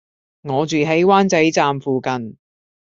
我住喺灣仔站附近